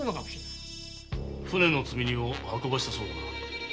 船の積み荷を運ばせたそうだな。